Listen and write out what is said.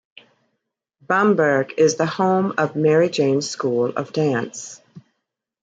Bamberg is the home of Mary Jane's School of Dance.